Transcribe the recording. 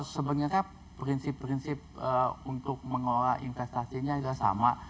sebenarnya prinsip prinsip untuk mengelola investasinya adalah sama